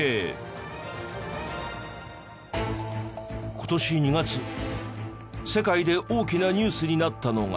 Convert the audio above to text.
今年２月世界で大きなニュースになったのが。